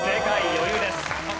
余裕です。